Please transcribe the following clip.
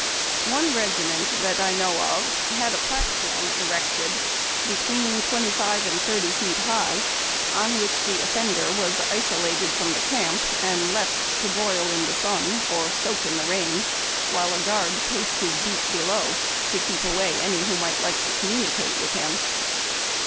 One regiment that I know of had a platform erected, be tween twenty five and thirty feet high, on which the offend er was isolated from the camp, and left to broil in the sun or soak in the rain while a guard paced his beat below, to keep away any who might like to communicate with him.